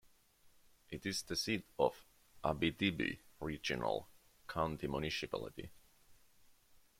It is the seat of Abitibi Regional County Municipality.